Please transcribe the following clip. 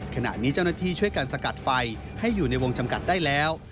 ขณะนี้เจ้าหน้าที่ช่วยกันสกัดไฟให้อยู่ในวงจำกัดได้แล้ว